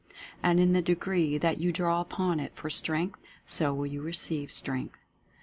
And in the degree that you draw upon it for Strength, so will you receive Strength.